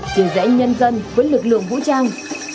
chia rẽ nhân dân với lực lượng vũ trang